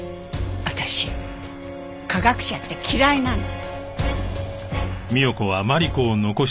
私科学者って嫌いなの！